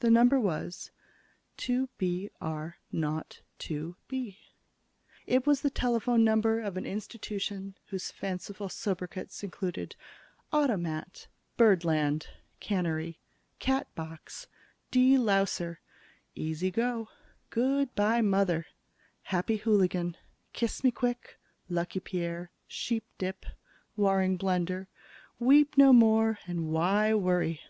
The number was: "2 B R 0 2 B." It was the telephone number of an institution whose fanciful sobriquets included: "Automat," "Birdland," "Cannery," "Catbox," "De louser," "Easy go," "Good by, Mother," "Happy Hooligan," "Kiss me quick," "Lucky Pierre," "Sheepdip," "Waring Blendor," "Weep no more" and "Why Worry?"